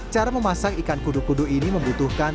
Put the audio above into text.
cara memasang ikan kudu kudu ini membutuhkan